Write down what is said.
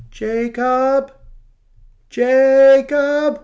"Ja cob! Ja cob!"